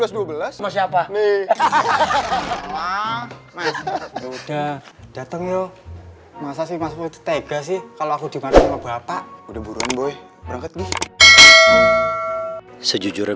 udah dateng yuk masalah semua tega sih kalau aku dimana bapak udah boboiye sejujurnya